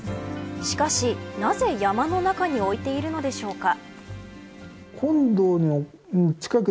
しかし、なぜ山の中に置いているのでしょうか。